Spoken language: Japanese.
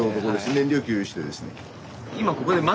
燃料給油してですね。